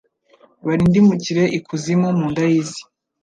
barindimukire ikuzimu mu nda y’isi